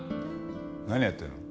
何やってるの？